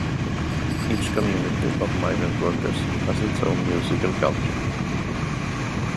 Each community of migrant workers has its own musical culture.